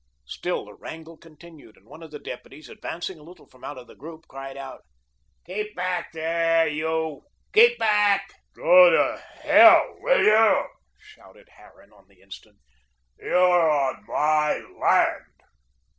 Still the wrangle continued, and one of the deputies, advancing a little from out the group, cried out: "Keep back there! Keep back there, you!" "Go to hell, will you?" shouted Harran on the instant. "You're on my land."